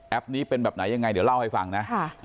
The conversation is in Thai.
นี้เป็นแบบไหนยังไงเดี๋ยวเล่าให้ฟังนะ